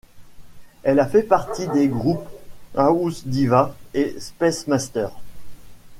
Elle a fait partie des groupes House Divas et Space master.